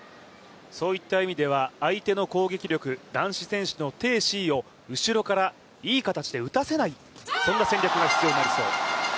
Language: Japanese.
そういった意味では相手の攻撃力、男子選手の鄭思緯を後ろからいい形で打たせない、そんな戦略が必要になりそうです。